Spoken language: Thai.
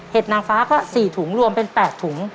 นางฟ้าก็๔ถุงรวมเป็น๘ถุง